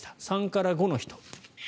３から５の人。